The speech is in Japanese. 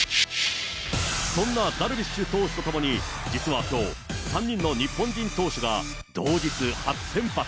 そんなダルビッシュ投手とともに、実はきょう、３人の日本人投手が同日初先発。